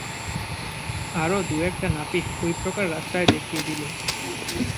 আরও দু-একটা নাপিত ঐ প্রকার রাস্তা দেখিয়ে দিলে।